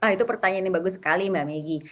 itu pertanyaan yang bagus sekali mbak meggy